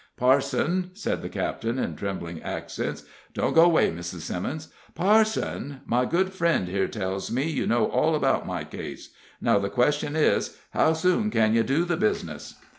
"Parson," said the captain, in trembling accents "don't go away, Mrs. Simmons parson, my good friend here tells me you know all about my case; now the question is, how soon can you do the business?"